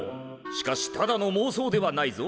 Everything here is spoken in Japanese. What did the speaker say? しかしただのもう想ではないぞ。